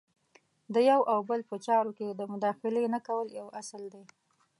د یو او بل په چارو کې د مداخلې نه کول یو اصل دی.